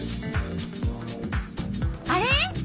あれ？